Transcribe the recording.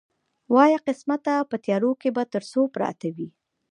وایه قسمته په تېرو کې به تر څو پراته وي.